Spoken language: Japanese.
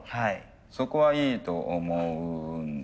そこはいいと思うんです。